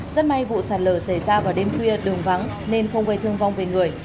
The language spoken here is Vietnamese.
rất may vụ sạt lở xảy ra vào đêm khuya đường vắng nên không gây thương vong về người